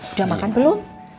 udah makan belum